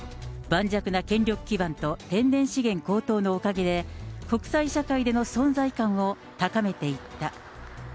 盤石な権力基盤と天然資源高騰のおかげで、国際社会での存在感を高めていった。